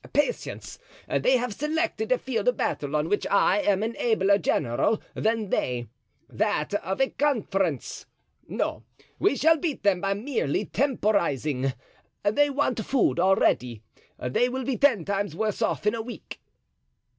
Patience! They have selected a field of battle on which I am an abler general than they—that of a conference. No, we shall beat them by merely temporizing. They want food already. They will be ten times worse off in a week."